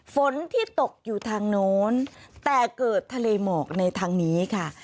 ฝนที่ตกอยู่ทางโน้นแต่เกิดทะเลหมอกในทางนี้ค่ะ